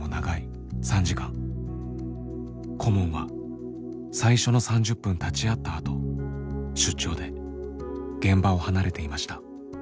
顧問は最初の３０分立ち会ったあと出張で現場を離れていました。